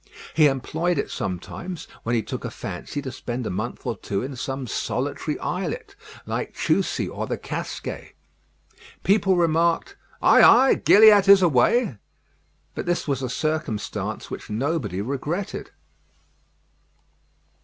He employed it sometimes when he took a fancy to spend a month or two in some solitary islet, like Chousey or the Casquets. People said, "Ay! ay! Gilliatt is away;" but this was a circumstance which nobody regretted.